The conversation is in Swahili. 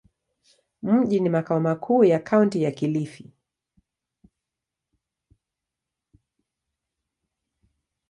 Mji ni makao makuu ya Kaunti ya Kilifi.